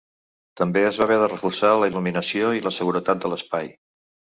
També es va haver de reforçar la il·luminació i la seguretat de l’espai.